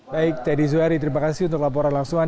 baik tadi zuhari terima kasih untuk laporan langsungan